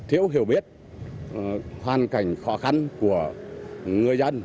thiếu hiểu biết hoàn cảnh khó khăn của người dân